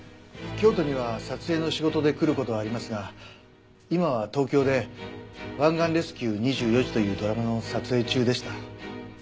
京都には撮影の仕事で来る事はありますが今は東京で『湾岸レスキュー２４時』というドラマの撮影中でした。